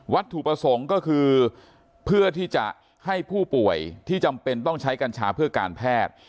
ถูกประสงค์ก็คือเพื่อที่จะให้ผู้ป่วยที่จำเป็นต้องใช้กัญชาเพื่อการแพทย์